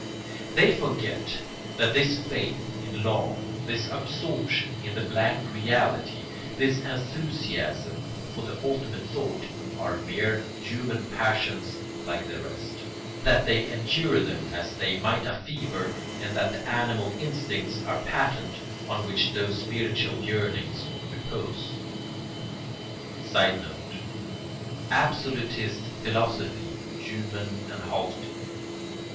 They forget that this faith in law, this absorption in the blank reality, this enthusiasm for the ultimate thought, are mere human passions like the rest; that they endure them as they might a fever and that the animal instincts are patent on which those spiritual yearnings repose. [Sidenote: Absolutist philosophy human and halting.